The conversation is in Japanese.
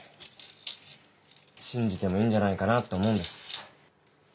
信じてもいいんじゃないかなって思うんです。